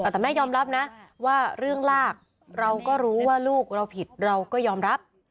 แต่แม่ยอมรับนะว่าเรื่องลากเราก็รู้ว่าลูกเราผิดเราก็ยอมรับ